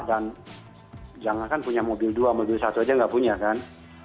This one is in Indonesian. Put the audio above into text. dan jangan kan punya mobil dua mobil satu aja nggak punya kan